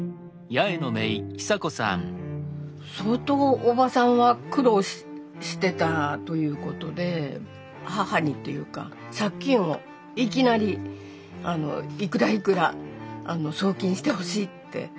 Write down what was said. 相当おばさんは苦労してたということで母にというか借金をいきなりいくらいくら送金してほしいって。